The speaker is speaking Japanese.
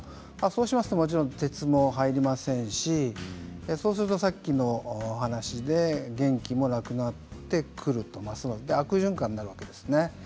もちろん鉄も入りませんしそうすると先ほどの話で元気もなくなってくると悪循環になるわけですね。